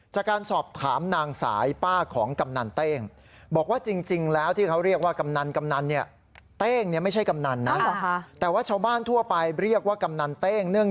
จากการสอบถามนางสายป้าของกำนันเต้ง